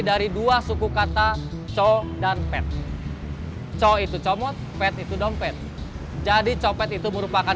dari dua suku kata co dan pet co itu comot pet itu dompet jadi copet itu merupakan